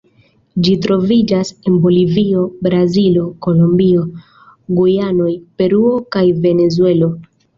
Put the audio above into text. Ĝi troviĝas en Bolivio, Brazilo, Kolombio, Gujanoj, Peruo kaj Venezuelo.